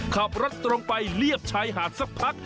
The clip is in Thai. ขับรถตรงไปเรียบชายหาดสักพัก